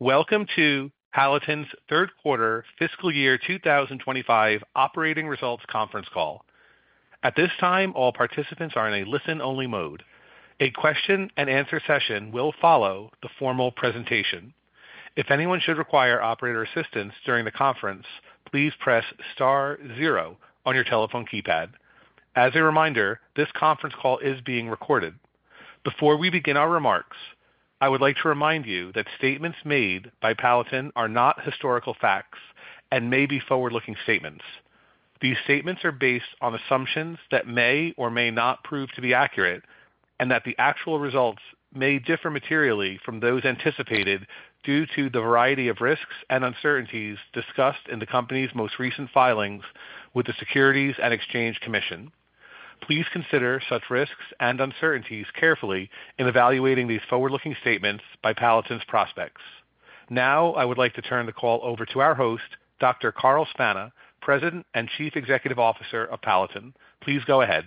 Welcome to Palatin's third quarter fiscal year 2025 operating results conference call. At this time, all participants are in a listen-only mode. A question-and-answer session will follow the formal presentation. If anyone should require operator assistance during the conference, please press star zero on your telephone keypad. As a reminder, this conference call is being recorded. Before we begin our remarks, I would like to remind you that statements made by Palatin are not historical facts and may be forward-looking statements. These statements are based on assumptions that may or may not prove to be accurate and that the actual results may differ materially from those anticipated due to the variety of risks and uncertainties discussed in the company's most recent filings with the Securities and Exchange Commission. Please consider such risks and uncertainties carefully in evaluating these forward-looking statements by Palatin's prospects. Now, I would like to turn the call over to our host, Dr. Carl Spana, President and Chief Executive Officer of Palatin. Please go ahead.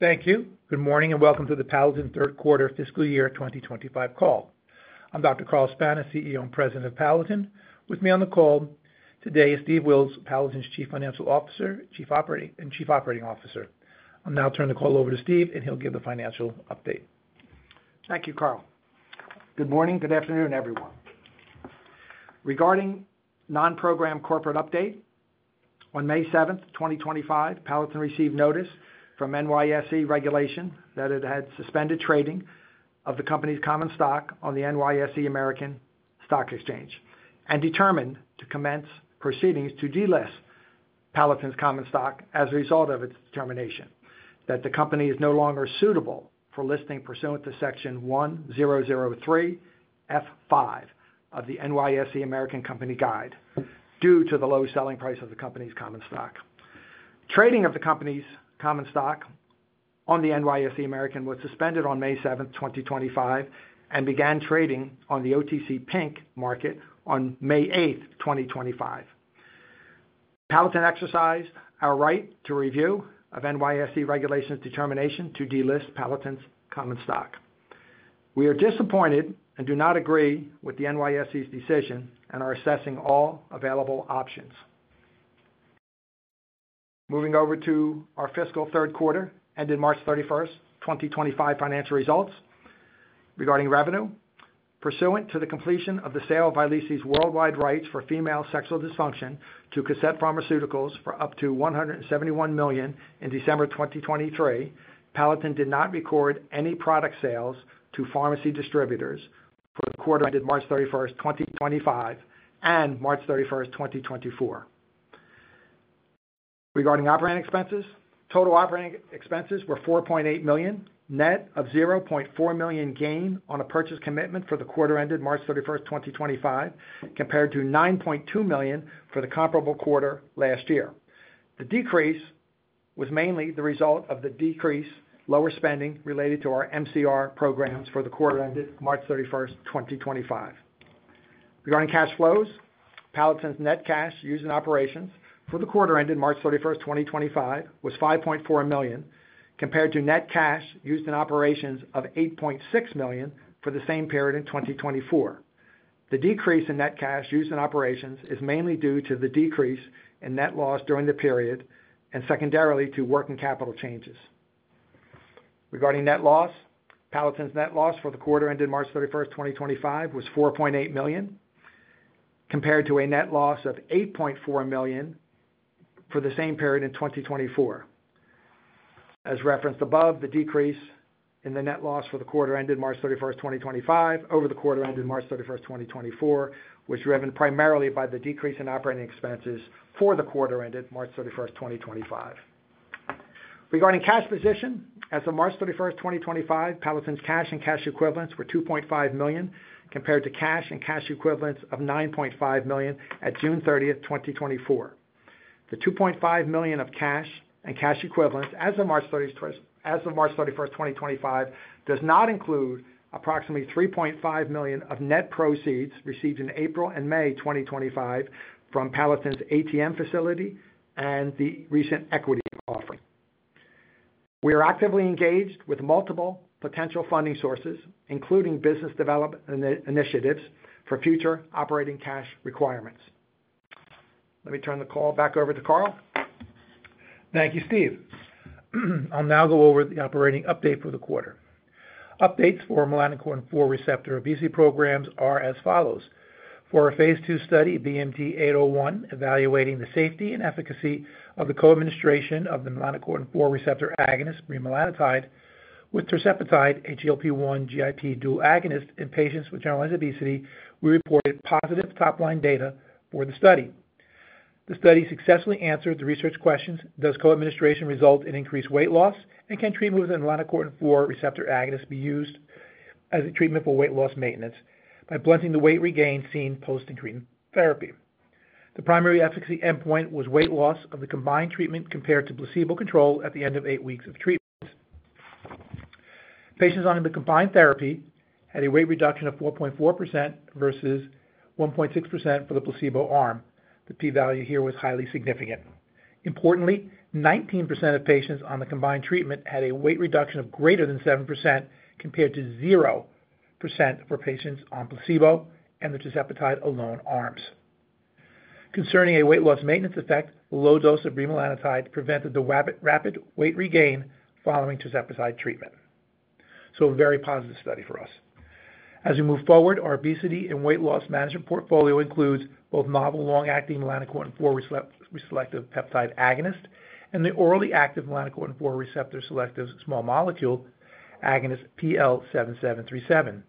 Thank you. Good morning and welcome to the Palatin third quarter fiscal year 2025 call. I'm Dr. Carl Spana, CEO and President of Palatin. With me on the call today is Steve Wills, Palatin's Chief Financial Officer and Chief Operating Officer. I'll now turn the call over to Steve, and he'll give the financial update. Thank you, Carl. Good morning. Good afternoon, everyone. Regarding non-program corporate update, on May 7, 2025, Palatin received notice from NYSE regulation that it had suspended trading of the company's common stock on the NYSE American Stock Exchange and determined to commence proceedings to delist Palatin's common stock as a result of its determination that the company is no longer suitable for listing pursuant to Section 1003(f)(5) of the NYSE American Company Guide due to the low selling price of the company's common stock. Trading of the company's common stock on the NYSE American was suspended on May 7, 2025, and began trading on the OTC Pink Market on May 8, 2025. Palatin exercised our right to review of NYSE regulation's determination to delist Palatin's common stock. We are disappointed and do not agree with the NYSE's decision and are assessing all available options. Moving over to our fiscal third quarter ended March 31, 2025, financial results. Regarding revenue, pursuant to the completion of the sale of Vyleesi's worldwide rights for female sexual dysfunction to Cosette Pharmaceuticals for up to $171 million in December 2023, Palatin did not record any product sales to pharmacy distributors for the quarter ended March 31, 2025, and March 31, 2024. Regarding operating expenses, total operating expenses were $4.8 million, net of $0.4 million gain on a purchase commitment for the quarter ended March 31, 2025, compared to $9.2 million for the comparable quarter last year. The decrease was mainly the result of the decreased lower spending related to our MCR programs for the quarter ended March 31, 2025. Regarding cash flows, Palatin's net cash used in operations for the quarter ended March 31, 2025, was $5.4 million, compared to net cash used in operations of $8.6 million for the same period in 2024. The decrease in net cash used in operations is mainly due to the decrease in net loss during the period and secondarily to working capital changes. Regarding net loss, Palatin's net loss for the quarter ended March 31, 2025, was $4.8 million, compared to a net loss of $8.4 million for the same period in 2024. As referenced above, the decrease in the net loss for the quarter ended March 31, 2025, over the quarter ended March 31, 2024, was driven primarily by the decrease in operating expenses for the quarter ended March 31, 2025. Regarding cash position, as of March 31, 2025, Palatin's cash and cash equivalents were $2.5 million, compared to cash and cash equivalents of $9.5 million at June 30, 2024. The $2.5 million of cash and cash equivalents as of March 31, 2025, does not include approximately $3.5 million of net proceeds received in April and May 2025 from Palatin's ATM facility and the recent equity offering. We are actively engaged with multiple potential funding sources, including business development initiatives for future operating cash requirements. Let me turn the call back over to Carl. Thank you, Steve. I'll now go over the operating update for the quarter. Updates for melanocortin-4 receptor obesity programs are as follows. Four or phase II study, BMT-801, evaluating the safety and efficacy of the co-administration of the melanocortin-4 receptor agonist bremelanotide with tirzepatide GLP-1/GIP dual agonist in patients with generalized obesity, we reported positive top-line data for the study. The study successfully answered the research questions, "Does co-administration result in increased weight loss?" and "Can treatment with the melanocortin-4 receptor agonist be used as a treatment for weight loss maintenance by blunting the weight regain seen post-treatment therapy?" The primary efficacy endpoint was weight loss of the combined treatment compared to placebo control at the end of eight weeks of treatment. Patients on the combined therapy had a weight reduction of 4.4% versus 1.6% for the placebo arm. The p-value here was highly significant. Importantly, 19% of patients on the combined treatment had a weight reduction of greater than 7% compared to 0% for patients on placebo and the tirzepatide alone arms. Concerning a weight loss maintenance effect, low dose of bremelanotide prevented the rapid weight regain following tirzepatide treatment. A very positive study for us. As we move forward, our obesity and weight loss management portfolio includes both novel long-acting melanocortin-4 and selective peptide agonist and the orally active melanocortin-4 and selective small molecule agonist PL7737.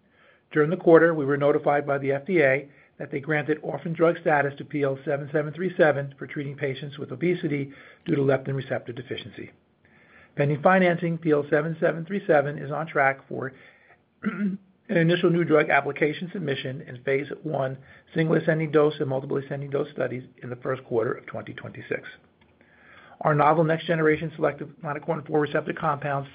During the quarter, we were notified by the FDA that they granted orphan drug status to PL7737 for treating patients with obesity due to leptin receptor deficiency. Pending financing, PL7737 is on track for an initial new drug application submission in phase one single-ascending dose and multiple-ascending dose studies in the first quarter of 2026. Our novel next-generation selective melanocortin-4 and receptor compounds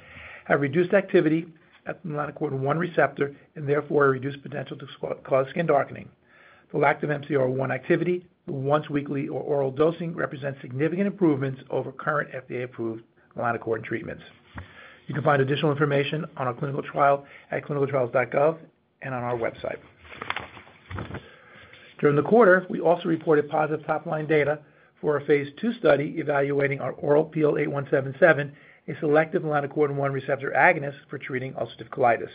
have reduced activity at the melanocortin-1 receptor and therefore a reduced potential to cause skin darkening. The lack of MC1R activity, the once-weekly or oral dosing represents significant improvements over current FDA-approved melanocortin-1 treatments. You can find additional information on our clinical trial at clinicaltrials.gov and on our website. During the quarter, we also reported positive top-line data for our phase II study evaluating our oral PL8177, a selective melanocortin-1 receptor agonist for treating ulcerative colitis.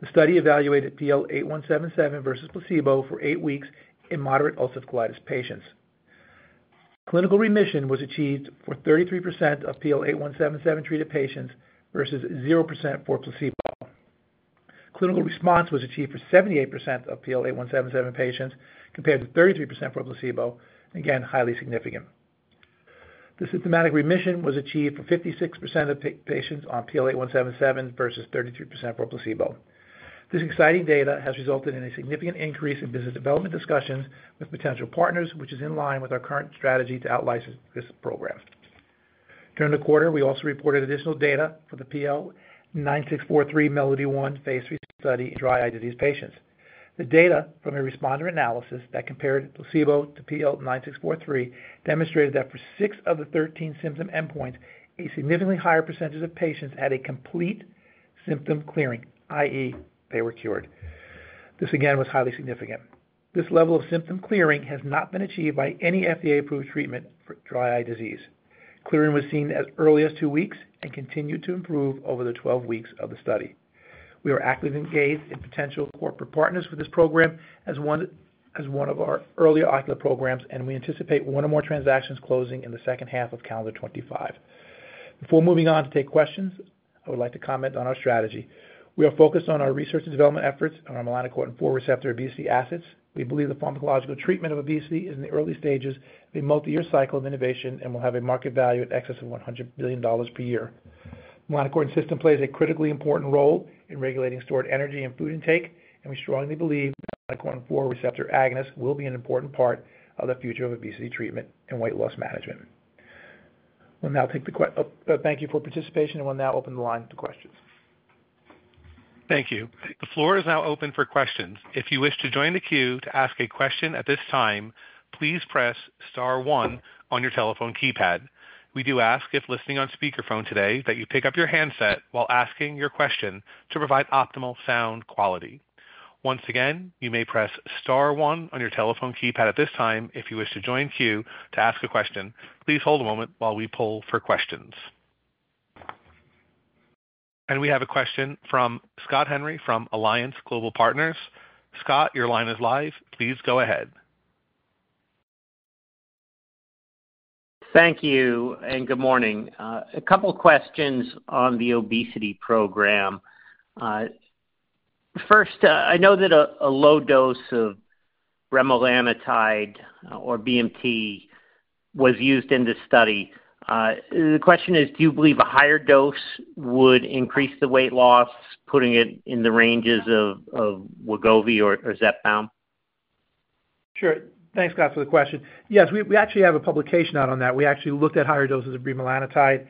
The study evaluated PL8177 versus placebo for eight weeks in moderate ulcerative colitis patients. Clinical remission was achieved for 33% of PL8177 treated patients versus 0% for placebo. Clinical response was achieved for 78% of PL8177 patients compared to 33% for placebo, again highly significant. The symptomatic remission was achieved for 56% of patients on PL8177 versus 33% for placebo. This exciting data has resulted in a significant increase in business development discussions with potential partners, which is in line with our current strategy to outlicense this program. During the quarter, we also reported additional data for the PL9643 Melody-1 phase III study in dry eye disease patients. The data from a responder analysis that compared placebo to PL9643 demonstrated that for six of the 13 symptom endpoints, a significantly higher percentage of patients had a complete symptom clearing, i.e., they were cured. This again was highly significant. This level of symptom clearing has not been achieved by any FDA-approved treatment for dry eye disease. Clearing was seen as early as two weeks and continued to improve over the 12 weeks of the study. We are actively engaged in potential corporate partners for this program as one of our earlier ocular programs, and we anticipate one or more transactions closing in the second half of calendar 2025. Before moving on to take questions, I would like to comment on our strategy. We are focused on our research and development efforts on our melanocortin-4 receptor obesity assets. We believe the pharmacological treatment of obesity is in the early stages of a multi-year cycle of innovation and will have a market value in excess of $100 billion per year. Melanocortin-4 receptor system plays a critically important role in regulating stored energy and food intake, and we strongly believe melanocortin-4 receptor agonist will be an important part of the future of obesity treatment and weight loss management. We'll now take the questions. Thank you for participation, and we'll now open the line to questions. Thank you. The floor is now open for questions. If you wish to join the queue to ask a question at this time, please press star one on your telephone keypad. We do ask if listening on speakerphone today that you pick up your handset while asking your question to provide optimal sound quality. Once again, you may press star one on your telephone keypad at this time if you wish to join queue to ask a question. Please hold a moment while we pull for questions. We have a question from Scott Henry from Alliance Global Partners. Scott, your line is live. Please go ahead. Thank you and good morning. A couple of questions on the obesity program. First, I know that a low dose of bremelanotide or BMT was used in this study. The question is, do you believe a higher dose would increase the weight loss, putting it in the ranges of Wegovy or Zepbound? Sure. Thanks, Scott, for the question. Yes, we actually have a publication out on that. We actually looked at higher doses of bremelanotide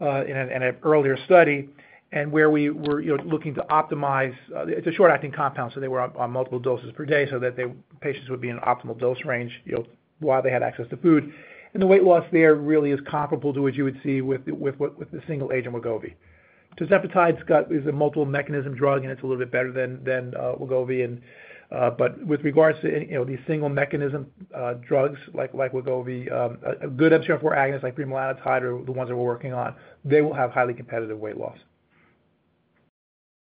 in an earlier study and where we were looking to optimize. It's a short-acting compound, so they were on multiple doses per day so that patients would be in an optimal dose range while they had access to food. The weight loss there really is comparable to what you would see with the single-agent Wegovy. Tirzepatide is a multiple mechanism drug, and it's a little bit better than Wegovy. With regards to these single mechanism drugs like Wegovy, a good MCR-4 agonist like bremelanotide are the ones that we're working on. They will have highly competitive weight loss.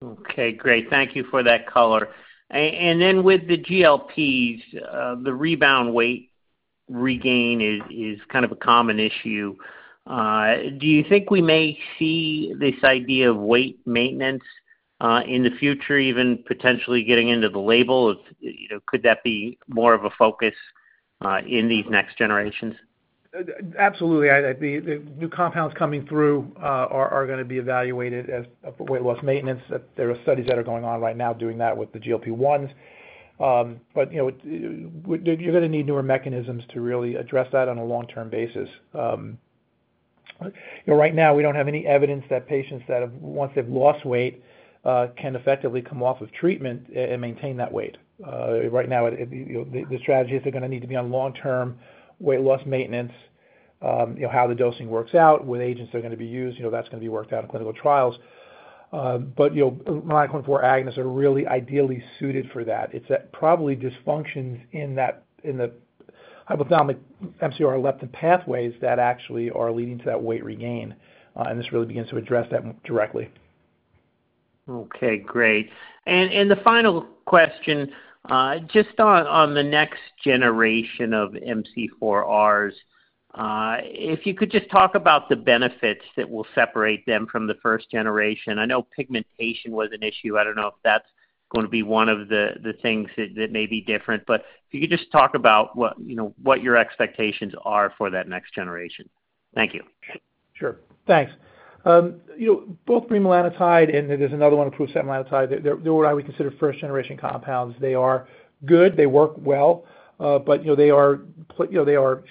Okay. Great. Thank you for that color. And then with the GLPs, the rebound weight regain is kind of a common issue. Do you think we may see this idea of weight maintenance in the future, even potentially getting into the label? Could that be more of a focus in these next generations? Absolutely. The new compounds coming through are going to be evaluated as weight loss maintenance. There are studies that are going on right now doing that with the GLP-1s. You are going to need newer mechanisms to really address that on a long-term basis. Right now, we do not have any evidence that patients that, once they have lost weight, can effectively come off of treatment and maintain that weight. Right now, the strategy is they are going to need to be on long-term weight loss maintenance, how the dosing works out, what agents are going to be used. That is going to be worked out in clinical trials. Melanocortin-4 agonists are really ideally suited for that. It is probably dysfunctions in the hypothalamic MCR leptin pathways that actually are leading to that weight regain, and this really begins to address that directly. Okay. Great. The final question, just on the next generation of MC4Rs, if you could just talk about the benefits that will separate them from the first generation. I know pigmentation was an issue. I do not know if that is going to be one of the things that may be different. If you could just talk about what your expectations are for that next generation. Thank you. Sure. Thanks. Both bremelanotide and there is another one, setmelanotide, they are what I would consider first-generation compounds. They are good. They work well. They are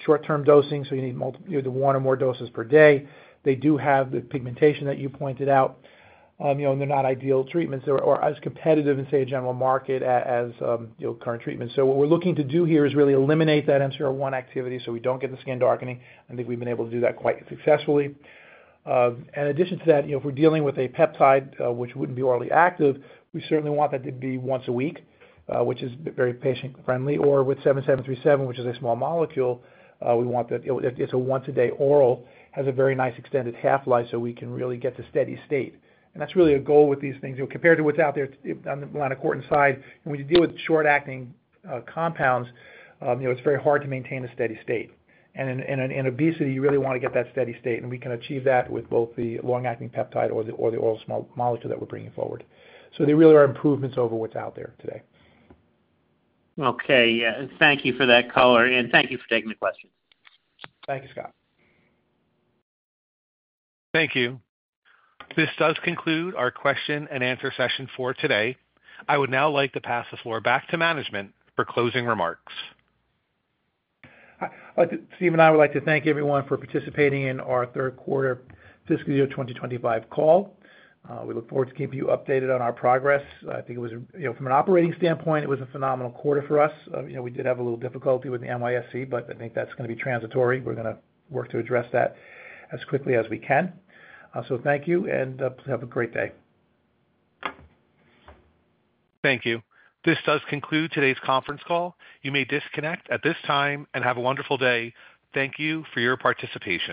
short-term dosing, so you need one or more doses per day. They do have the pigmentation that you pointed out. They are not ideal treatments or as competitive in, say, a general market as current treatments. What we are looking to do here is really eliminate that melanocortin-1 receptor activity so we do not get the skin darkening. I think we have been able to do that quite successfully. In addition to that, if we are dealing with a peptide, which would not be orally active, we certainly want that to be once a week, which is very patient-friendly. With PL7737, which is a small molecule, we want that it is a once-a-day oral, has a very nice extended half-life so we can really get to steady state. That's really a goal with these things. Compared to what's out there on the melanocortin-4 side, when you deal with short-acting compounds, it's very hard to maintain a steady state. In obesity, you really want to get that steady state. We can achieve that with both the long-acting peptide or the oral small molecule that we're bringing forward. There really are improvements over what's out there today. Okay. Thank you for that color. Thank you for taking the questions. Thank you, Scott. Thank you. This does conclude our question-and-answer session for today. I would now like to pass the floor back to management for closing remarks. Steve and I would like to thank everyone for participating in our third quarter fiscal year 2025 call. We look forward to keeping you updated on our progress. I think from an operating standpoint, it was a phenomenal quarter for us. We did have a little difficulty with the NYSE, but I think that's going to be transitory. We're going to work to address that as quickly as we can. Thank you, and please have a great day. Thank you. This does conclude today's conference call. You may disconnect at this time and have a wonderful day. Thank you for your participation.